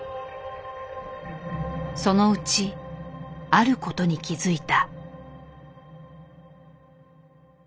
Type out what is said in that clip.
そのうちある事に気付いた。